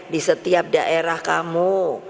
di setiap daerah kamu